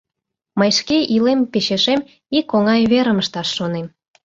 Мый шке илем печешем ик оҥай верым ышташ шонем...